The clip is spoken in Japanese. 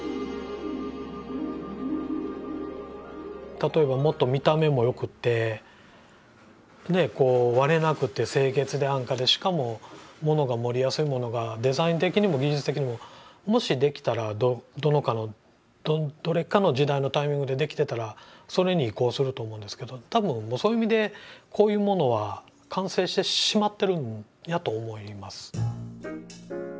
例えばもっと見た目も良くて割れなくて清潔で安価でしかも物が盛りやすいものがデザイン的にも技術的にももしできたらどれかの時代のタイミングでできてたらそれに移行すると思うんですけどたぶんそういう意味でこういうものは完成してしまってるんやと思います。